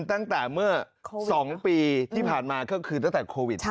ตั้งแต่เมื่อ๒ปีที่ผ่านมาก็คือตั้งแต่โควิด